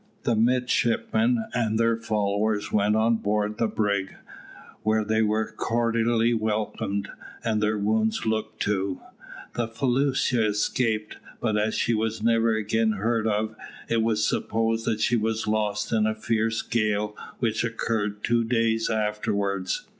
The midshipmen and their followers went on board the brig, where they were cordially welcomed, and their wounds looked to. The felucca escaped, but as she was never again heard of, it was supposed that she was lost in a fierce gale which occurred two days afterwards.